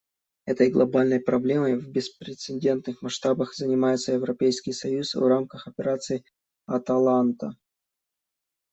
Этой глобальной проблемой в беспрецедентных масштабах занимается Европейский союз в рамках Операции «Аталанта».